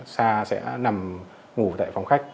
cao sẽ nằm ngủ tại phòng khách